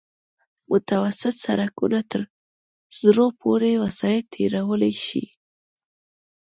متوسط سرکونه تر زرو پورې وسایط تېرولی شي